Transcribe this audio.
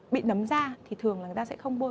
bị nấm da thì thường là người ta sẽ không bôi